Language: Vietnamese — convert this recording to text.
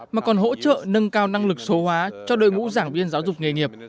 mà còn hỗ trợ nâng cao năng lực số hóa cho đội ngũ giảng viên giáo dục nghề nghiệp